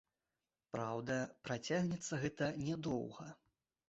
Праўда, працягнецца гэта нядоўга.